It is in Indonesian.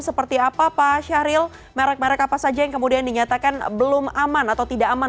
seperti apa pak syahril merek merek apa saja yang kemudian dinyatakan belum aman atau tidak aman